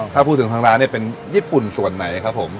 ถ้าพูดถึงทางร้านเนี่ยเป็นญี่ปุ่นส่วนไหนครับผม